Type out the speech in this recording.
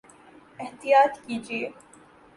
احطیاط کیجئے